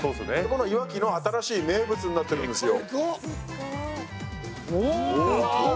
いわきの新しい名物になってるんですよ。